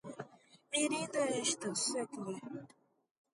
Mirinde estas, sekve.